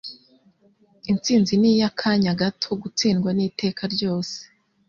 Intsinzi ni iy'akanya gato. Gutsindwa ni iteka ryose. ”